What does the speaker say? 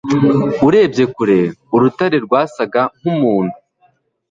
urebye kure, urutare rwasaga nkumuntu